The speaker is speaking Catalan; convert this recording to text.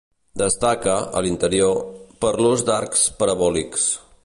Destaca, a l'interior, per l'ús d'arcs parabòlics.